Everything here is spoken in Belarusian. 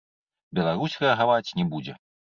Беларусь рэагаваць не будзе.